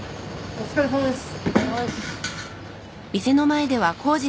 お疲れさまです。